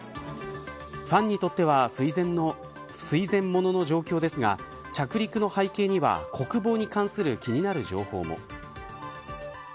ファンにとっては垂涎ものの状況ですが着陸の背景には国防に関する気になる情報も。